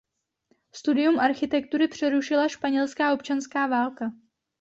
Studium architektury přerušila španělská občanská válka.